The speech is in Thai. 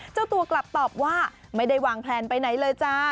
เจ้าตัวกลับตอบว่าไม่ได้วางแพลนไปไหนเลยจ้า